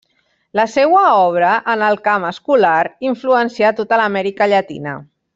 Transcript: La seua obra en el camp escolar influencià tota l'Amèrica Llatina.